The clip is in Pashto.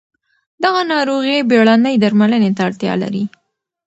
دغه ناروغي بېړنۍ درملنې ته اړتیا لري.